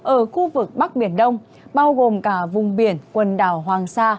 ở khu vực bắc biển đông bao gồm cả vùng biển quần đảo hoàng sa